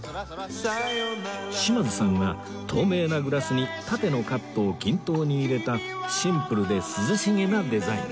島津さんは透明なグラスに縦のカットを均等に入れたシンプルで涼しげなデザイン